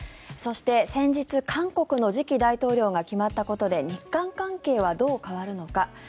そして先日、韓国の次期大統領が決まったことで日韓関係はどう変わるのか。